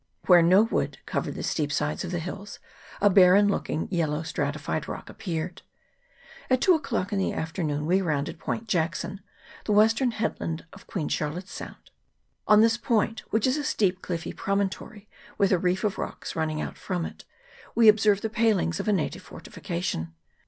Where no wood covered the steep sides of the hills, a barren looking yellow stratified rock appeared. At two o'clock in the afternoon we rounded Point Jackson, the western headland of Queen Charlotte's Sound. On this point, which is a steep cliffy promontory, with a reef of rocks running out from it, we observed the palings of a native fortification.